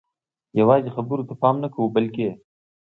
یوازې خبرو ته پام نه کوو بلکې